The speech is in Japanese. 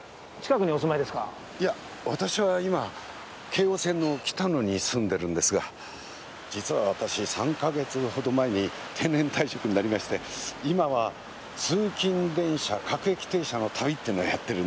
いや私は今京王線の北野に住んでるんですが実は私３か月ほど前に定年退職になりまして今は通勤電車各駅停車の旅っていうのをやってるんです。